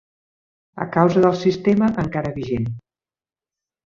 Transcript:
A causa del sistema encara vigent